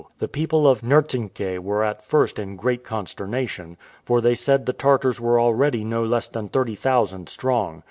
The people of Nertsinkay were at first in a great consternation, for they said the Tartars were already no less than thirty thousand strong.